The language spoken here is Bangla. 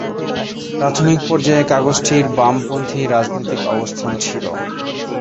প্রাথমিক পর্যায়ে কাগজটির বামপন্থী রাজনৈতিক অবস্থান ছিল।